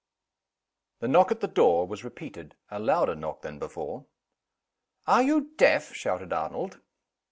THE knock at the door was repeated a louder knock than before. "Are you deaf?" shouted Arnold.